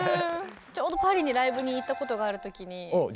ちょうどパリにライブに行ったことがある時に。